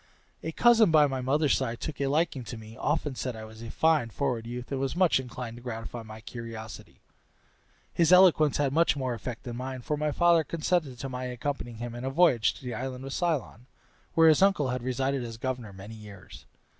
A cousin by my mother's side took a liking to me, often said I was a fine forward youth, and was much inclined to gratify my curiosity. His eloquence had more effect than mine, for my father consented to my accompanying him in a voyage to the island of Ceylon, where his uncle had resided as governor many years.